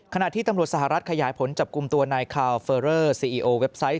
ขณะที่ตำรวจสหรัฐขยายผลจับกลุ่มตัวนายคาวเฟอร์เรอร์ซีอีโอเว็บไซต์